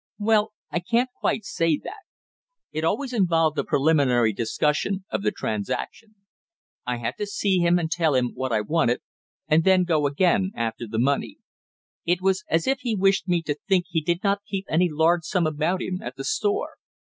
"Well, I can't quite say that; it always involved a preliminary discussion of the transaction; I had to see him and tell him what I wanted and then go again after the money. It was as if he wished me to think he did not keep any large sum about him at the store."